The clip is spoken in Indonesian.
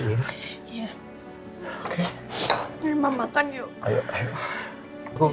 mama makan yuk